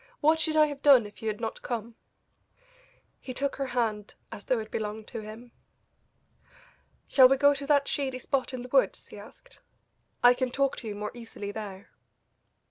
What should I have done if you had not come?" He took her hand as though it belonged to him. "Shall we go to that shady spot in the woods?" he asked; "I can talk to you more easily there."